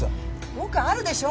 よくあるでしょ。